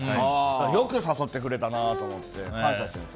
よく誘ってくれたなと思って感謝してるんです。